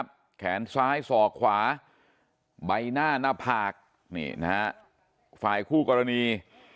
ใบหน้าหน้าพากศ์ฝ่ายคู่กรณี